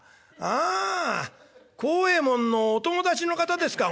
「ああ孝右衛門のお友達の方ですか」。